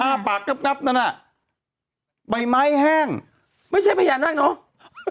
ปากงับงับนั่นอ่ะใบไม้แห้งไม่ใช่พญานาคเนอะ